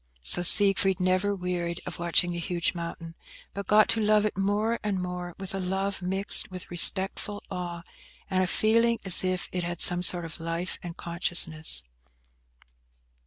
So Siegfried never wearied of watching the huge mountain, but got to love it more and more, with a love mixed with respectful awe, and a feeling as if it had some sort of life and consciousness.